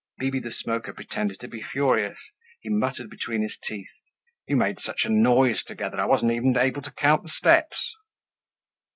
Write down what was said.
Bibi the Smoker pretended to be furious. He muttered between his teeth. "You made such a noise together! I wasn't even able to count the steps."